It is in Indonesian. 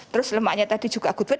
terus lemaknya tadi juga good fat